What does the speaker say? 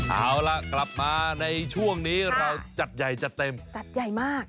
เอาล่ะกลับมาในช่วงนี้เราจัดใหญ่จัดเต็มจัดใหญ่มาก